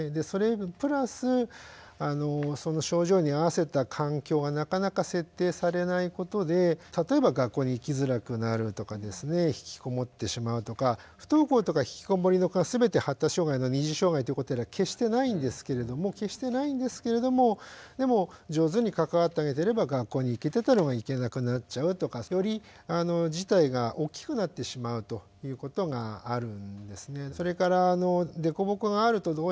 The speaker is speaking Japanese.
それプラスその症状に合わせた環境がなかなか設定されないことで例えば学校に行きづらくなるとかですね引きこもってしまうとか不登校とか引きこもりの子は全て発達障害の二次障害ということでは決してないんですけれども決してないんですけれどもでも上手に関わってあげてれば学校に行けてたのが行けなくなっちゃうとかより事態が大きくなってしまうということがあるんですね。